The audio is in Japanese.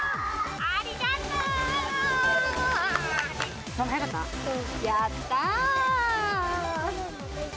ありがとう。